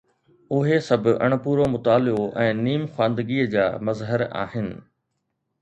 اهي سڀ اڻپورو مطالعو ۽ نيم خواندگيءَ جا مظهر آهن.